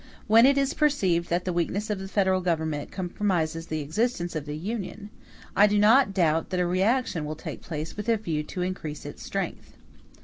When it is perceived that the weakness of the Federal Government compromises the existence of the Union, I do not doubt that a reaction will take place with a view to increase its strength.